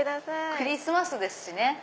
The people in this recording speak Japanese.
クリスマスですしね。